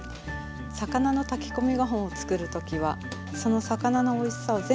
魚の炊き込みご飯を作る時はその魚のおいしさを全部詰め込みたいです。